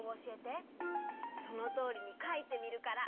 そのとおりにかいてみるから。